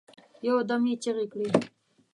یو دم یې چیغي کړې